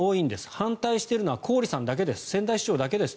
反対しているは郡さんだけです仙台市長だけです。